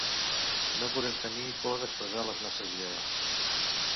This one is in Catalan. No podem tenir por d’expressar les nostres idees.